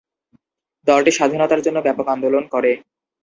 দলটি স্বাধীনতার জন্য ব্যাপক আন্দোলন করে।